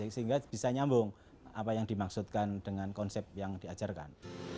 sehingga bisa nyambung apa yang dimaksudkan dengan konsep yang diajarkan